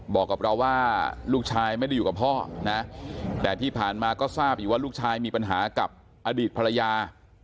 บอกกับเราว่าลูกชายไม่ได้อยู่กับพ่อนะแต่ที่ผ่านมาก็ทราบอยู่ว่าลูกชายมีปัญหากับอดีตภรรยา